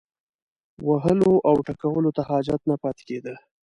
وهلو او ټکولو ته حاجت نه پاتې کېده.